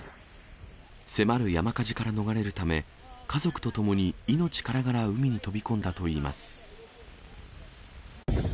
迫る山火事から逃れるため、家族と共に命からがら海に飛び込んだといいます。